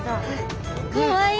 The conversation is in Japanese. かわいい。